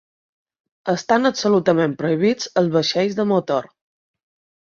Estan absolutament prohibits els vaixells de motor.